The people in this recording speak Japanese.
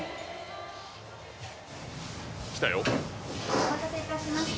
お待たせいたしました。